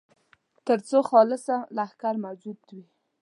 تر څو خلصه لښکر موجود وي.